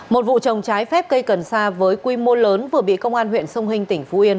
một vụ trồng trái phép cây cần sa với quy mô lớn vừa bị công an huyện sông hình tỉnh phú yên